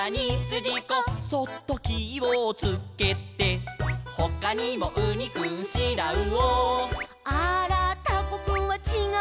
「そっときをつけて」「ほかにもウニくんシラウオ」「あーらータコくんはちがうでしょ」